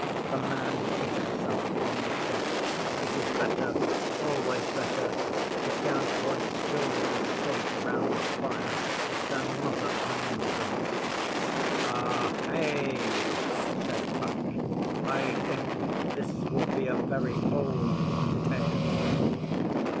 The man hit himself on the chest. 'It is better always better to count one's children safe round the fire, their Mother among them.' 'Ahai!' said Puck. 'I think this will be a very old tale.